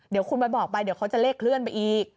เดี๋ยวคุณไปบอกไปเดี๋ยวเขาจะเลขเคลื่อนไปอีก